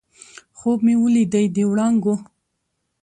خوب مې ولیدی د وړانګو